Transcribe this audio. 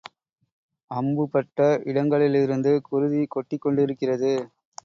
அம்புபட்ட இடங்களிலிருந்துகுருதி கொட்டிக் கொண்டிருக்கிறது.